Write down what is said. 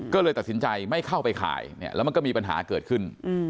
ก็เลยตัดสินใจไม่เข้าไปขายเนี่ยแล้วมันก็มีปัญหาเกิดขึ้น